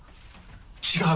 違う！